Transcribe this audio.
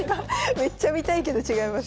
めっちゃ見たいけど違います。